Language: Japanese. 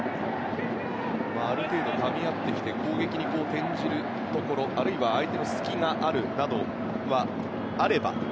ある程度かみ合ってきて攻撃に転じるところあるいは相手の隙があるなどがあれば。